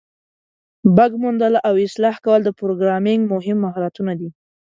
بګ موندل او اصلاح کول د پروګرامینګ مهم مهارتونه دي.